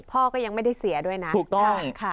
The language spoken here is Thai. พ่อก็ยังไม่ได้เสียด้วยนะ